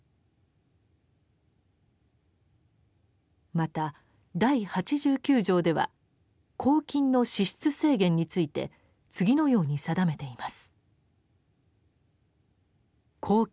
また第八十九条では「公金の支出制限」について次のように定めています。